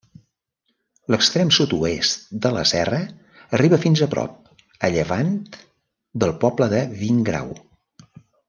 L'extrem sud-oest de la serra arriba fins a prop, a llevant, del poble de Vingrau.